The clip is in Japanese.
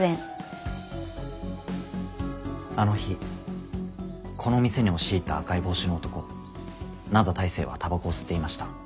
あの日この店に押し入った赤い帽子の男灘大聖はタバコを吸っていました。